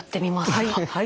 はい。